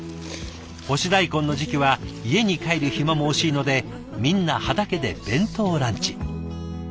干し大根の時期は家に帰る暇も惜しいのでみんな畑で弁当ランチ。